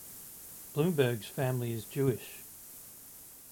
Bloomberg's family is Jewish.